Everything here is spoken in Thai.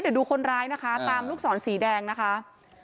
เดี๋ยวดูคนร้ายนะคะตามลูกศรสีแดงนะคะ